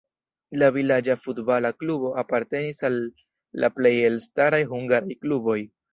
La vilaĝa futbala klubo apartenis al la plej elstaraj hungaraj kluboj.